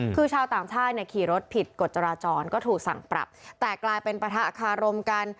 คือชาวต่างชาติเนี่ยขี่รถผิดกฎจราจรก็ถูกสั่งปรับแต่กลายเป็นปะทะคารมกัน